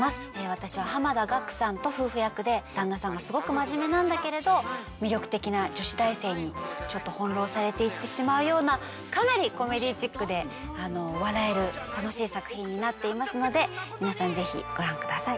私は濱田岳さんと夫婦役で旦那さんがすごく真面目なんだけれど魅力的な女子大生にちょっと翻弄されていってしまうようなかなりコメディーチックで笑える楽しい作品になっていますので皆さんぜひご覧ください。